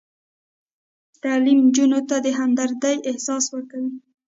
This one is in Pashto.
تعلیم نجونو ته د همدردۍ احساس ورکوي.